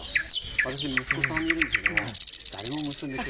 私息子３人いるんですけれども誰も結んでくれません。